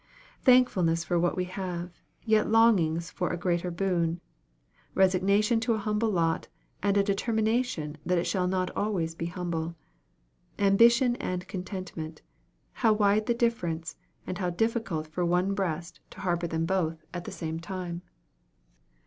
Thankfulness for what we have, yet longings for a greater boon; resignation to a humble lot, and a determination that it shall not always be humble; ambition and contentment how wide the difference, and how difficult for one breast to harbor them both at the same time!